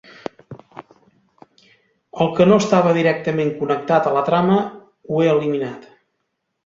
El que no estava directament connectat a la trama, ho he eliminat.